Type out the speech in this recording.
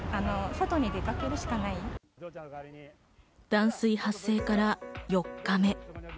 断水発生から４日目。